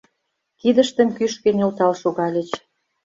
Кидыштым кӱшкӧ нӧлтал шогальыч.